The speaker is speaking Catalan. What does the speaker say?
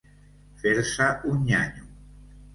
Fer-se un nyanyo.